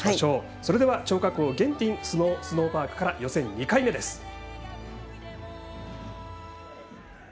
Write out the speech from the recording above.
それでは張家口ゲンティンスノーパークから予選２回目です。